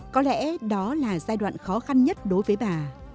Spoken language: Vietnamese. có lẽ đó là giai đoạn khó khăn nhất đối với bà